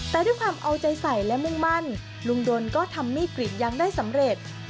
แต่ด้วยความเอาใจใส่และมุ่งมั่นลุงดนก็ทำมีดกรีดยางได้สำเร็จ